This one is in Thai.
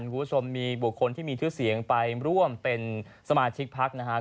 คุณผู้ชมมีบุคคลที่มีชื่อเสียงไปร่วมเป็นสมาชิกพักนะครับ